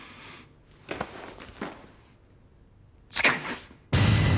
誓います。